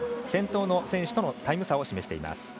先頭の選手とのタイム差を示しています。